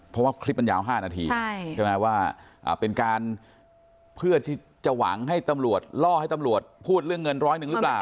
เพราะว่าคลิปมันยาว๕นาทีใช่ไหมว่าเป็นการเพื่อที่จะหวังให้ตำรวจล่อให้ตำรวจพูดเรื่องเงินร้อยหนึ่งหรือเปล่า